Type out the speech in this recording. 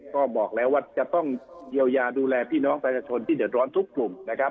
ก็บอกแล้วว่าจะต้องเยียวยาดูแลพี่น้องประชาชนที่เดือดร้อนทุกกลุ่มนะครับ